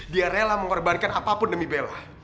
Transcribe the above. dia rela mengorbankan apapun demi belah